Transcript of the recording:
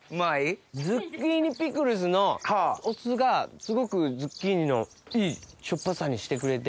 ズッキーニピクルスのお酢がすごくズッキーニのいいしょっぱさにしてくれて。